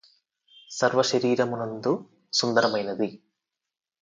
సర్వశరీరమునందు సుందరమైనది